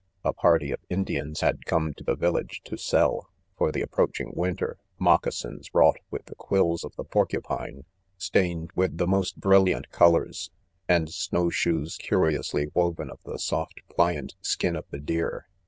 A party of Indians had come to the village to sell, for. the approaching winter, moccasins wrought with 'the quills" of ■96 1D0MEN:* •the porculiinje, stained with the, most brit Jiant colors ; and snow shoes curiously woven of the soft, pliant skin of the t deer.